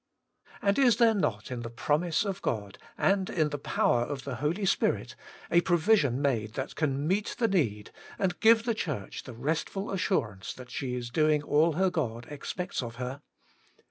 And is there not in the promise of God, and in the power of the Holy Spirit, a provision made that can meet the need, and give the Church the restful assurance that she is doing all her God expects of her